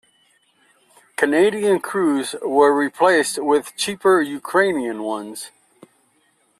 Canadian crews were replaced with cheaper Ukrainian ones.